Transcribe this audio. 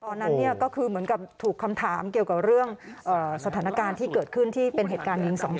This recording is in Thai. ตอนนั้นก็คือเหมือนกับถูกคำถามเกี่ยวกับเรื่องสถานการณ์ที่เกิดขึ้นที่เป็นเหตุการณ์ยิงสองนัด